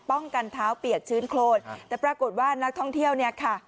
กันเท้าเปียกชื้นโครนแต่ปรากฏว่านักท่องเที่ยวเนี่ยค่ะ